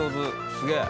すげえ。